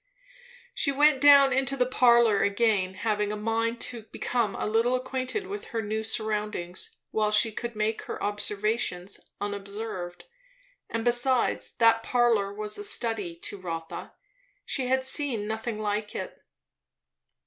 She went down to the parlour again, having a mind to become a little acquainted with her new surroundings while she could make her observations unobserved; and besides, that parlour was a study to Rotha; she had seen nothing like it.